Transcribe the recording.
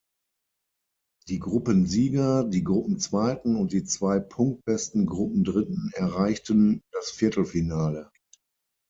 Die Gruppensieger, die Gruppenzweiten und die zwei punktbesten Gruppendritten erreichten das Viertelfinale.